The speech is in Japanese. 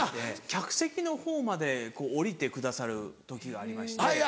客席のほうまでこう降りてくださる時がありまして。